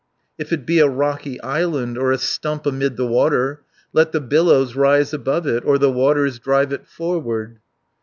"If it be a rocky island, Or a stump amid the water, Let the billows rise above it, Or the waters drive it forward."